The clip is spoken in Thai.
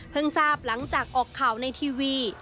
ทราบหลังจากออกข่าวในทีวี